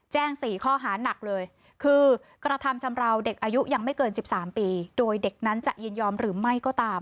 ๔ข้อหานักเลยคือกระทำชำราวเด็กอายุยังไม่เกิน๑๓ปีโดยเด็กนั้นจะยินยอมหรือไม่ก็ตาม